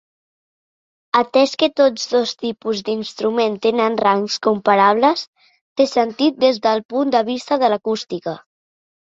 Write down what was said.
Atès que tots dos tipus d'instrument tenen rangs comparables, té sentit des del punt de vista de l'acústica.